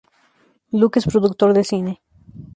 Luke es productor de cine.